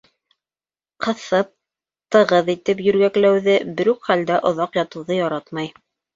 Ҡыҫып, тығыҙ итеп йүргәкләүҙе, бер үк хәлдә оҙаҡ ятыуҙы яратмай.